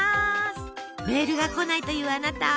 メールが来ないというあなた！